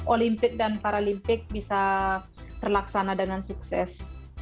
olimpik dan paralimpik bisa terlaksana dengan sukses